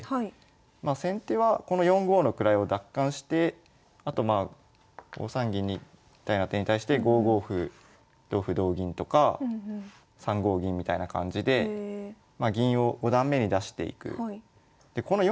まあ先手はこの４五の位を奪還してあとまあ５三銀みたいな手に対して５五歩同歩同銀とか３五銀みたいな感じで銀を五段目に出していく。